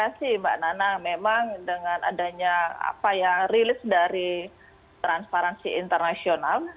terima kasih mbak nana memang dengan adanya apa ya rilis dari transparency international